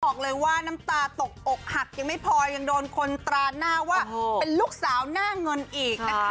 บอกเลยว่าน้ำตาตกอกหักยังไม่พอยังโดนคนตราหน้าว่าเป็นลูกสาวหน้าเงินอีกนะคะ